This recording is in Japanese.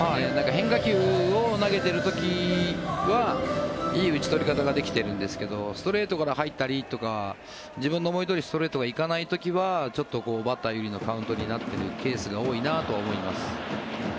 変化球を投げている時はいい打ち取り方ができてるんですけどストレートから入ったりとか自分の思いどおりにストレートが行かない時はバッター有利のカウントになっているケースが多いなと感じます。